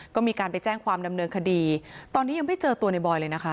ก็มีการไปแจ้งความดำเนินคดีตอนนี้ยังไม่เจอตัวในบอยเลยนะคะ